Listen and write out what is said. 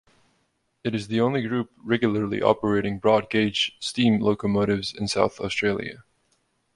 It is the only group regularly operating broad gauge steam locomotives in South Australia.